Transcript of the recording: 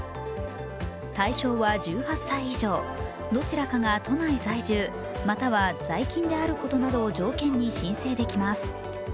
対象は１８歳以上どちらかが都内在住、または在勤であることを条件に申請できます。